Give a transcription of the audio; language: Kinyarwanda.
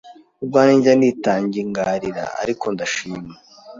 ubwanjye njya nitangarira ariko ndashima